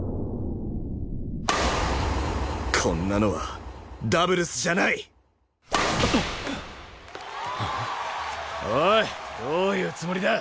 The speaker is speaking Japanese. こんなのはダブルスじゃない！おいどういうつもりだ？